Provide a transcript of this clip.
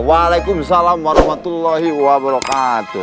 waalaikumsalam warahmatullahi wabarakatuh